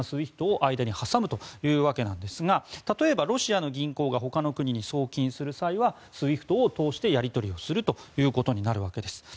ＳＷＩＦＴを間に挟むというわけなんですが例えばロシアの銀行がほかの国に送金する際はＳＷＩＦＴを通してやり取りをすることになるわけです。